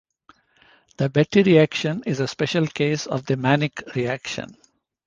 The Betti reaction is a special case of the Mannich reaction.